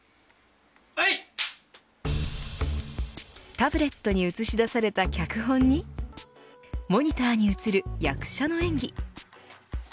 タブレットに映し出された脚本にモニターに映る役者の演技。